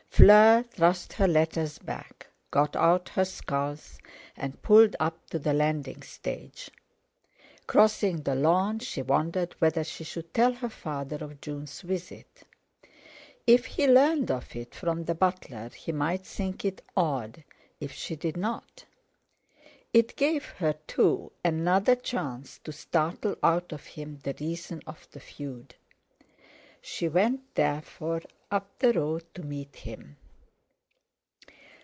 Fleur thrust her letters back, got out her sculls, and pulled up to the landing stage. Crossing the lawn, she wondered whether she should tell her father of June's visit. If he learned of it from the butler, he might think it odd if she did not. It gave her, too, another chance to startle out of him the reason of the feud. She went, therefore, up the road to meet him.